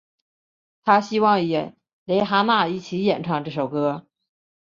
她希望与蕾哈娜一起演唱这首歌。